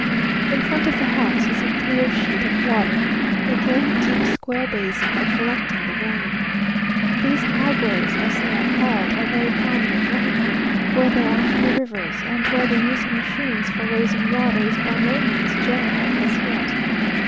In front of the house is a clear sheet of water, a great deep square basin for collecting the rain. These jagueys, as they are called, are very common in Mexico, where there are few rivers, and where the use of machines for raising water is by no means general as yet.